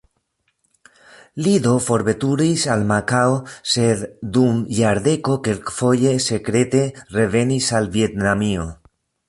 Li do forveturis al Makao, sed dum jardeko kelkfoje sekrete revenis al Vjetnamio.